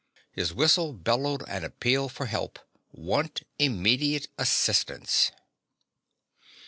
Her whistle bellowed an appeal for help. "_Want immediate assistance!